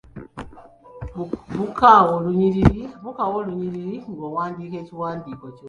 Buukawo olunyiriri ng'owandiika ekiwandiiko kyo.